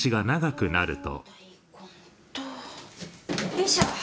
よいしょ。